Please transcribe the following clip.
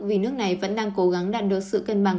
vì nước này vẫn đang cố gắng đàn đốt sự cân bằng